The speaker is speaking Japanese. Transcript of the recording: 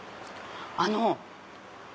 あの。